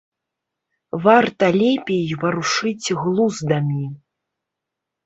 Варта лепей варушыць глуздамі.